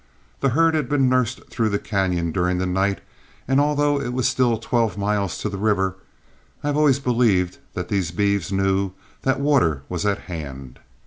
The herd had been nursed through the cañon during the night, and although it was still twelve miles to the river, I have always believed that those beeves knew that water was at hand.